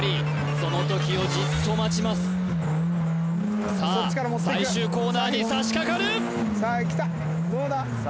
その時をじっと待ちますさあ最終コーナーにさしかかるどうだ？